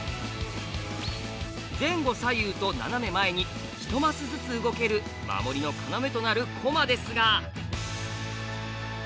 前後左右と斜め前に一マスずつ動ける守りの要となる駒ですが。